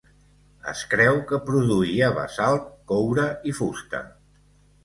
Es creu que produïa basalt, coure i fusta.